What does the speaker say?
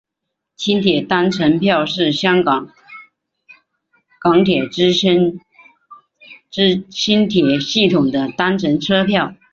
轻铁单程票是香港港铁之轻铁系统的单程车票。